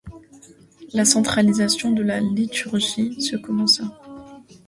La centralisation de la liturgie se commença.